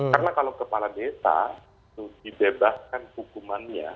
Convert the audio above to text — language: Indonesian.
karena kalau kepala desa itu dibebaskan hukumannya